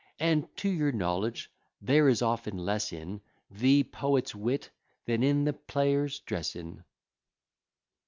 And to your knowledge, there is often less in The poet's wit, than in the player's dressing.